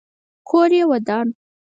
کور یې ودان.